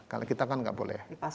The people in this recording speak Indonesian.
kalau kita kan nggak boleh